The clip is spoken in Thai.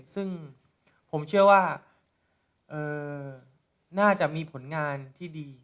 ซึ่งผมเชื่อว่าน่าจะมีผลงานที่ดี